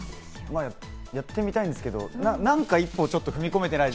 やってみたいんですけど、何か一歩踏み込めてない。